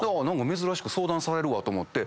珍しく相談されるわと思って。